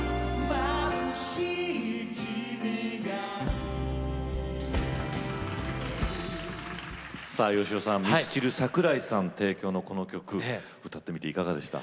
「眩しい君が見える」さあ芳雄さんミスチル桜井さん提供のこの曲歌ってみていかがでした？